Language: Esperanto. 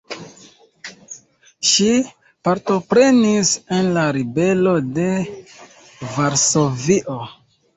Ŝi partoprenis en la ribelo de Varsovio.